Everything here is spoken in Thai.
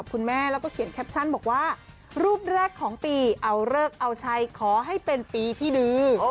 คุณแม่แล้วก็เขียนแคปชั่นบอกว่ารูปแรกของปีเอาเลิกเอาชัยขอให้เป็นปีที่ลือ